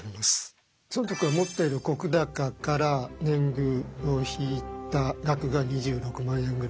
尊徳が持っている石高から年貢を引いた額が２６万円ぐらい。